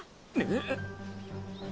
えっ？